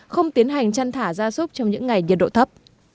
không tiến hành chăn thả ra súc trong những ngày nhiệt độ thấp